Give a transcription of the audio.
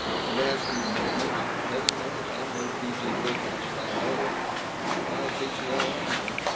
And as for your manners heaven knows I'm no P. G. Wodehouse valet. But I'll teach you all I know."